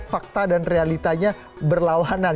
fakta dan realitanya berlawanan